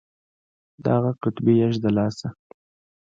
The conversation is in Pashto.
د اغه قطبي يږ د لاسه.